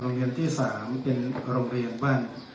เรียนที่๓เป็นโรงเรียนบ้าน